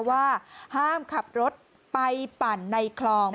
ว่าห้ามขับรถไปปั่นในคลอง